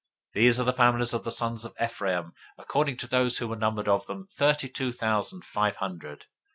026:037 These are the families of the sons of Ephraim according to those who were numbered of them, thirty two thousand five hundred.